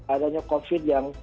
adanya covid yang